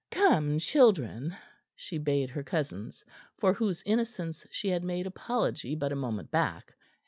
Come, children," she bade her cousins for whose innocence she had made apology but a moment back.